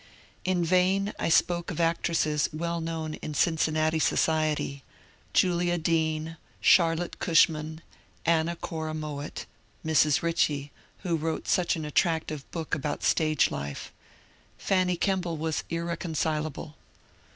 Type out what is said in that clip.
In vain I spoke of actresses well known in Cincinnati society, — Julia Dean, Charlotte Cushman, Anna Cora Mowatt (Mrs. Bitchie, who wrote such an attractive book about stage life). Fanny Kemble was irreconcilable.